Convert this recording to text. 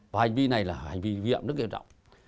và hành vi này là hành vi nghiệm rất nghiêm trọng